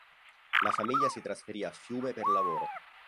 La famiglia si trasferì a Fiume per lavoro.